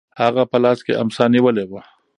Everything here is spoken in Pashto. هغه په لاس کې امسا نیولې وه.